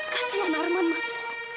kasian arman mas